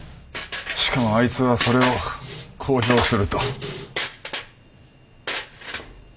しかもあいつはそれを公表すると。